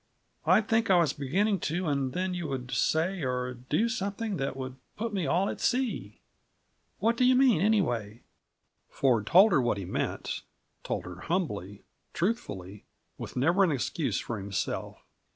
I'd think I was beginning to, and then you would say or do something that would put me all at sea. What do you mean, anyway?" Ford told her what he meant; told her humbly, truthfully, with never an excuse for himself.